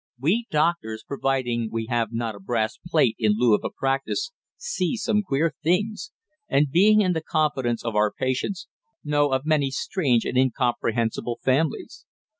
We doctors, providing we have not a brass plate in lieu of a practice, see some queer things, and being in the confidence of our patients, know of many strange and incomprehensible families.